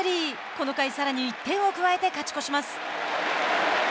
この回、さらに１点を加えて勝ち越します。